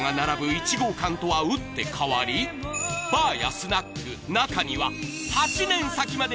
１号館とは打って変わりバーやスナック中にはの名店まで！